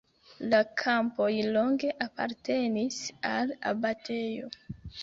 La kampoj longe apartenis al abatejo.